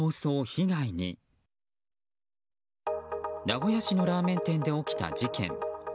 名古屋市のラーメン店で起きた事件。